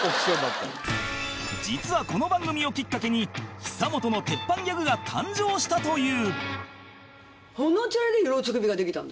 実はこの番組をきっかけに久本の鉄板ギャグが誕生したという